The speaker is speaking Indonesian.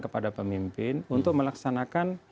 kepada pemimpin untuk melaksanakan